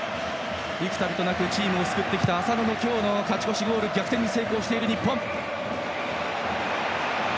幾度となくチームを救ってきた浅野の今日の勝ち越しゴール逆転に成功している日本。